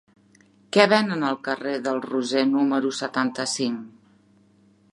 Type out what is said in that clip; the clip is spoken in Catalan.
Què venen al carrer del Roser número setanta-cinc?